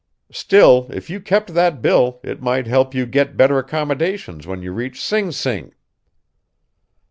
"Still, if you kept that bill it might help you get better accommodations when you reach Sing Sing."